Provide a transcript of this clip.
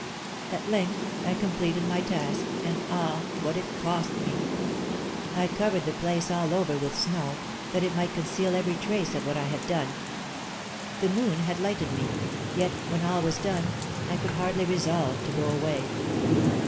At length I completed my task, and ah, what it cost me! I covered the place all over with snow, that it might conceal every trace of what I had done. The moon had lighted me; yet, when all was done, I could hardly resolve to go away.